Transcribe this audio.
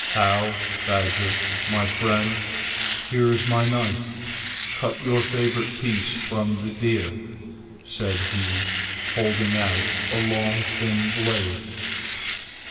"How, badger, my friend! Here is my knife. Cut your favorite pieces from the deer," said he, holding out a long thin blade.